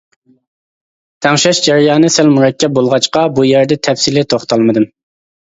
تەڭشەش جەريانى سەل مۇرەككەپ بولغاچقا بۇ يەردە تەپسىلىي توختالمىدىم.